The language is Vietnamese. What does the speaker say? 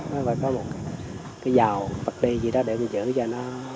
nó phải có một cái dầu vật đi gì đó để mình giữ cho nó